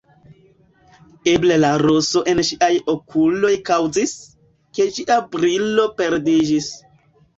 Eble la roso en ŝiaj okuloj kaŭzis, ke ĝia brilo perdiĝis.